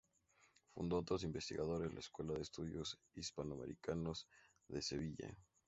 Fundó con otros investigadores la Escuela de Estudios Hispano-Americanos de Sevilla.